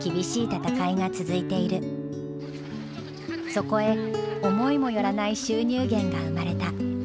そこへ思いも寄らない収入源が生まれた。